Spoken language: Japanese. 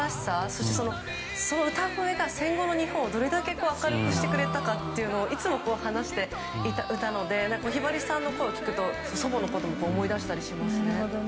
そして、その歌声が戦後の日本をどれだけ明るくしてくれたかっていうのをいつも話していたのでひばりさんの声を聴くと祖母のことも思い出したりしますね。